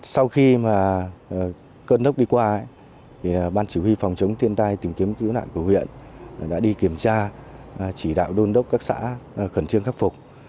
sau khi cơn lốc đi qua ban chỉ huy phòng chống thiên tai tìm kiếm cứu nạn của huyện đã đi kiểm tra chỉ đạo đôn đốc các xã khẩn trương khắc phục